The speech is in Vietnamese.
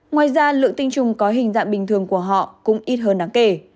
ngoài ra lượng tinh trùng có hình dạng bình thường của họ cũng ít hơn đáng kể